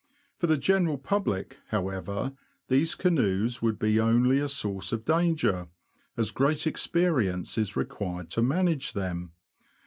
For the general public, however, these canoes would be only a source of danger, as great experience is required to manage them.